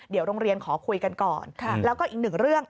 เดี๋ยวโรงเรียนขอคุยกันก่อนแล้วก็อีกหนึ่งเรื่อง